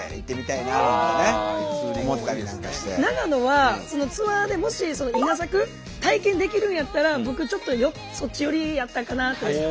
長野はツアーでもし稲作体験できるんやったら僕ちょっとそっち寄りやったかなって。